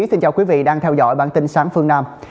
xin chào quý vị đang theo dõi bản tin sáng phương nam